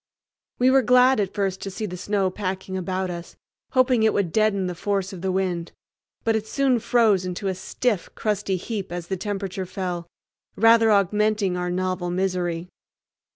We were glad at first to see the snow packing about us, hoping it would deaden the force of the wind, but it soon froze into a stiff, crusty heap as the temperature fell, rather augmenting our novel misery.